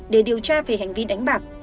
để điều tra về hành vi đánh bạc